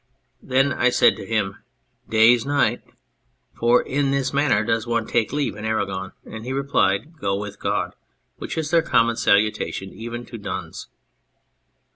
Then I said to him, ' Days, knight !' (for in this manner does one take leave in Aragon), and he replied, ' Go with God,' which is their common salutation, even to duns.